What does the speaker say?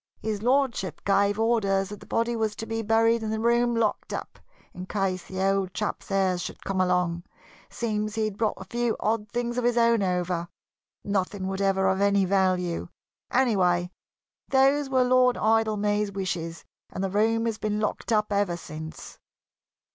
His Lordship gave orders that the body was to be buried and the room locked up, in case the old chap's heirs should come along. Seems he'd brought a few odd things of his own over nothing whatever of any value. Anyway, those were Lord Idlemay's wishes, and the room has been locked up ever since."